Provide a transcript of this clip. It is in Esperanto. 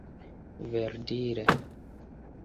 verdire